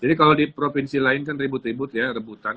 jadi kalau di provinsi lain kan ribut ribut ya rebutan